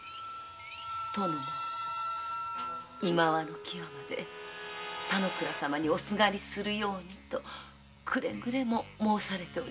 殿は今際の際まで田之倉様におすがりするようにとくれぐれも申されておりました。